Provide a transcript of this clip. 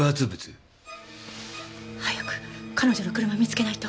早く彼女の車見つけないと！